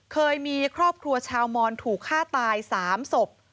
เคยมีครอบครัวชาวมอนถูกฆ่าตาย๓ศพ